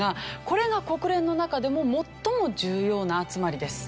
これが国連の中でも最も重要な集まりです。